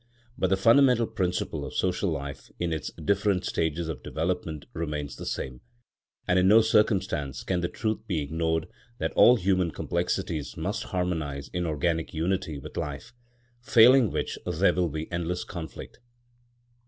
But the fundamental principle of social life in its different stages of development remains the same; and in no circumstance can the truth be ignored that all human complexities must harmonise in organic unity with life, failing which there will be endless conflict.